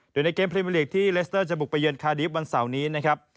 โดยในเกมพรีเมอร์ลีกที่เลสเตอร์จะบุกไปเยือนคาดีฟวันเสาร์นี้นะครับ